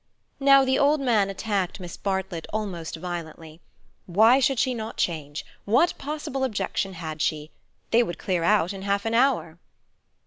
Now the old man attacked Miss Bartlett almost violently: Why should she not change? What possible objection had she? They would clear out in half an hour.